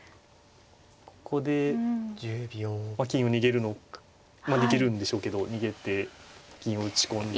ここで金を逃げるのかまあ逃げるんでしょうけど逃げて銀を打ち込んで。